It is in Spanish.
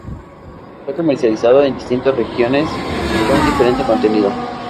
Fue comercializado en distintas regiones con diferente contenido.